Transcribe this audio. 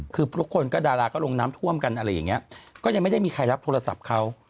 คือทุกคนก็ดาราก็ลงน้ำท่วมกันอะไรอย่างเงี้ยก็ยังไม่ได้มีใครรับโทรศัพท์เขา